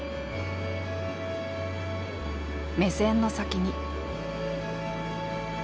目線の先に。